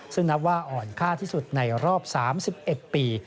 ซึ่งนับว่าอ่อนค่าที่สุดในรอบ๓๑ปี